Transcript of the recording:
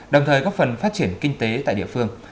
đồng thời góp phần phát triển kinh tế tại địa phương